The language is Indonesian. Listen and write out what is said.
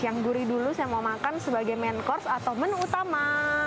yang gurih dulu saya mau makan sebagai main course atau menu utama